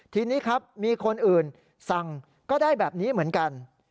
ทีนี้ครับมีคนอื่นสั่งก็ได้แบบนี้เหมือนกัน